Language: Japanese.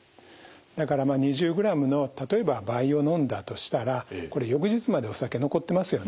だからまあ２０グラムの例えば倍を飲んだとしたらこれ翌日までお酒残ってますよね。